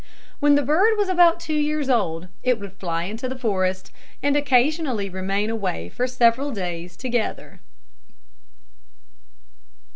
When the bird was about two years old, it would fly into the forest, and occasionally remain away for several days together.